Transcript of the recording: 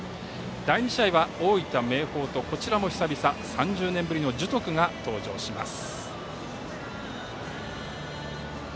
第２試合は大分・明豊とこちらも久々３０年ぶりの樹徳が登場します。